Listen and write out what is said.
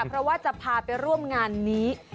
เพราะว่าจะพาไปร่วมงานนี้